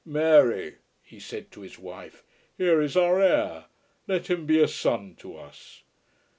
"Mary," he said to his wife, "here is our heir. Let him be a son to us."